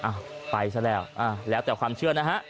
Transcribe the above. อ่ะไปซะแล้วแล้วแต่ความเชื่อนะฮะ